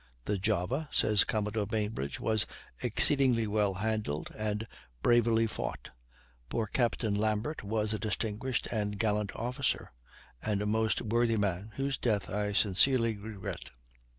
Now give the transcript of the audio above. "The Java," says Commodore Bainbridge, "was exceedingly well handled and bravely fought. Poor Captain Lambert was a distinguished and gallant officer, and a most worthy man, whose death I sincerely regret."